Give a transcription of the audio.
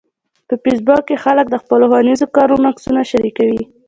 په فېسبوک کې خلک د خپلو ښوونیزو کارونو عکسونه شریکوي